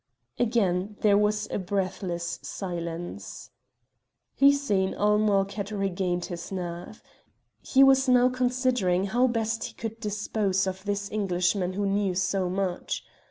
Again there was a breathless silence. Hussein ul Mulk had regained his nerve. He was now considering how best he could dispose of this Englishman who knew so much.